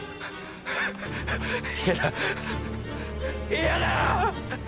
嫌だ嫌だ！